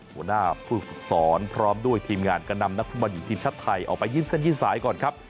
หัวหน้าผู้ฝึกสอนพร้อมด้วยทีมงานก็นำนักฟุตบอลหญิงทีมชาติไทยออกไปยื่นเส้นยื่นสายก่อนครับ